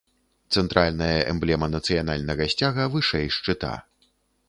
Цэнтральная эмблема нацыянальнага сцяга вышэй шчыта.